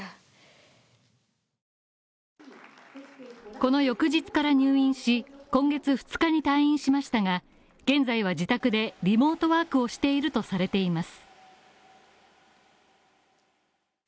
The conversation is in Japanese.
この翌日から入院し、今月２日に退院しましたが、現在は自宅でリモートワークをしているとされています。